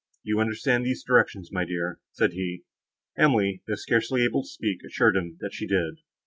"Do you understand these directions, my dear?" said he. Emily, though scarcely able to speak, assured him that she did.